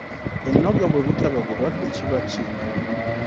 Ennoga bwe butaba bulwadde kiba ki?